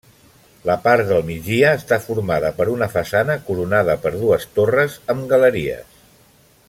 La part del migdia està formada per una façana coronada per dues torres amb galeries.